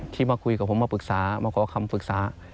ที่มาคุยกับผมมาปรึกษามาขอคำปรึกษา